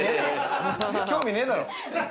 興味ねえだろ。